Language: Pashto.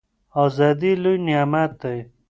ازادي لوی نعمت دی.